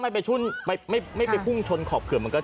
เฮ้ยเฮ้ยเฮ้ยเฮ้ย